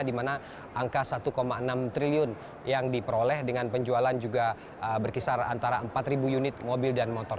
di mana angka satu enam triliun yang diperoleh dengan penjualan juga berkisar antara empat unit mobil dan motor